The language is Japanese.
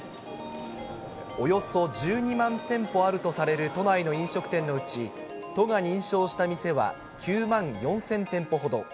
およそ１２万店舗あるとされる都内の飲食店のうち、都が認証した店は９万４０００店舗ほど。